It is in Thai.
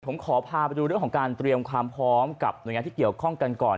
ผมขอพาไปดูเรื่องของการเตรียมความพร้อมกับหน่วยงานที่เกี่ยวข้องกันก่อน